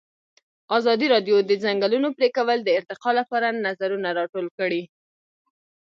ازادي راډیو د د ځنګلونو پرېکول د ارتقا لپاره نظرونه راټول کړي.